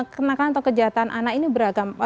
kenakan atau kejahatan anak ini beragam